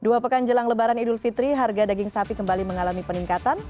dua pekan jelang lebaran idul fitri harga daging sapi kembali mengalami peningkatan